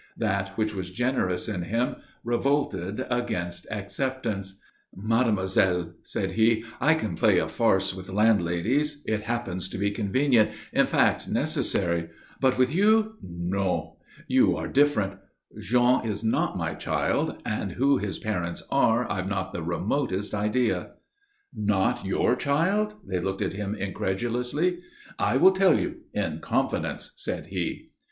That which was generous in him revolted against acceptance. "Mademoiselle," said he, "I can play a farce with landladies it happens to be convenient in fact, necessary. But with you no. You are different. Jean is not my child, and who his parents are I've not the remotest idea." "Not your child?" They looked at him incredulously. "I will tell you in confidence," said he.